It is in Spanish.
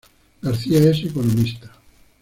García es economista.